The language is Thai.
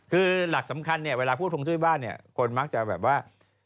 คือหลักสำคัญเวลาพูดโพงจุ้ยบ้านคนมักจะแบบว่า